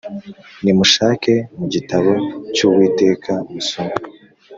Nimushake mu gitabo cy Uwiteka musome